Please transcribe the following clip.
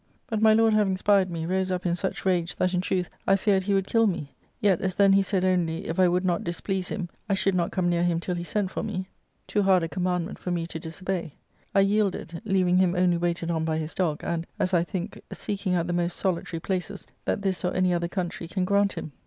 But my lord, having spied me, rose up in such rage that, in truth, I feared he would kill me ; yet as then he said only, if I would not displease him, I should not come near him till he sent for me — too hard a ARCADIA.—Book L 63 commandment for me to disobey. I yielded, leaving him only waited on by his dog, and, as I think, seeking out the most solitary places that this or any other country can grant him."